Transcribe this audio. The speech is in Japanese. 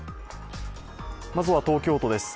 まずは、東京都です。